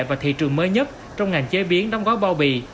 và thị trường mới nhất trong ngành chế biến đóng gói bao bì